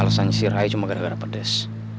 alasan sih ray cuma gara gara pedes